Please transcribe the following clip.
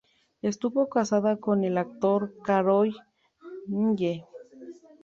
Estuvo casada con el actor Carroll Nye.